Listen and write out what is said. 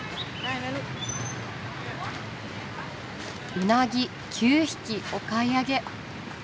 ウナギ９匹お買い上げ。